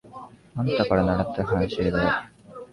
あんたからならった慣習だよ。